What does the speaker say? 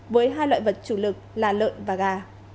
với hai loại vật chủ lực là lợn và gà